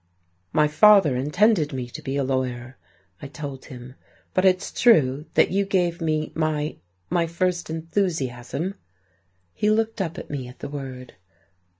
"My father intended me to be a lawyer," I told him. "But it's true that you gave me my my first enthusiasm." He looked up at me at the word.